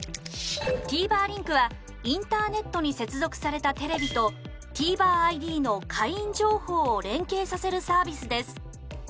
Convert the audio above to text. ＴＶｅｒ リンクはインターネットに接続されたテレビと ＴＶｅｒＩＤ の会員情報を連携させるサービスです